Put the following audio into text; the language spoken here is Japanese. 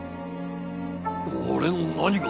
俺の何が。